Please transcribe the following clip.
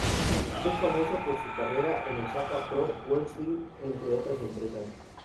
Es famoso por su carrera en Osaka Pro Wrestling, entre otras empresas.